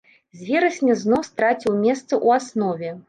З верасня зноў страціў месца ў аснове.